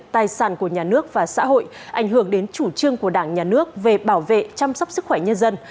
tài sản của nhà nước và xã hội ảnh hưởng đến chủ trương của đảng nhà nước về bảo vệ chăm sóc sức khỏe nhân dân